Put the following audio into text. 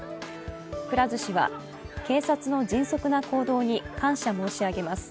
くら寿司は警察の迅速な行動に感謝申し上げます